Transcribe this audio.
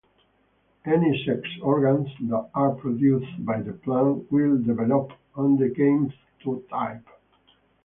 Any sex organs that are produced by the plant will develop on the gametophyte.